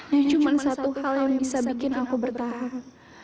ya cuma satu hal yang bisa bikin aku bertahan